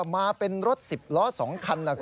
มาเป็นรถ๑๐ล้อ๒คัน